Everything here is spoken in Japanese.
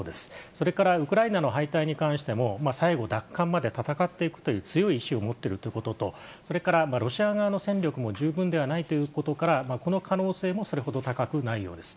それからウクライナの敗退に関しても、最後、奪還まで戦っていくという強い意思を持っているということと、それからロシア側の戦力も十分ではないということから、この可能性もそれほど高くないようです。